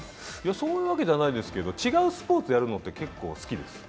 そういうわけじゃないですけど違うスポーツやるのって結構好きです。